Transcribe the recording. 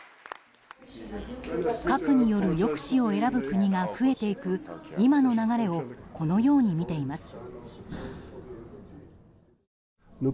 核による抑止を選ぶ国が増えていく今の流れをこのように見ています。